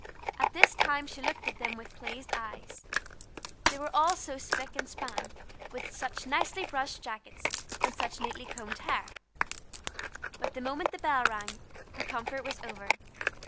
At this time she looked at them with pleased eyes, they were all so spick and span, with such nicely brushed jackets and such neatly combed hair. But the moment the bell rang her comfort was over.